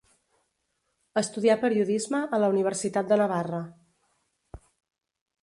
Estudià periodisme a la Universitat de Navarra.